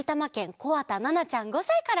こわたななちゃん５さいから。